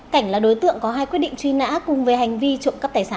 cảnh là đối tượng có hai quyết định truy nã cùng về hành vi trộm cắp tài sản